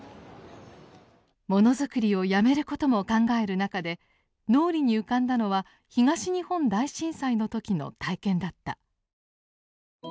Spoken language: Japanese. ものづくりをやめることも考える中で脳裏に浮かんだのは東日本大震災の時の体験だった。